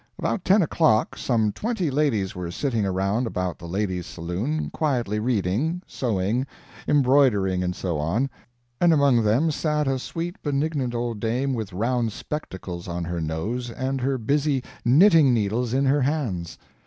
About ten o'clock some twenty ladies were sitting around about the ladies' saloon, quietly reading, sewing, embroidering, and so on, and among them sat a sweet, benignant old dame with round spectacles on her nose and her busy knitting needles in her hands.